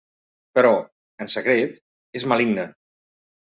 Però, en secret, és maligna.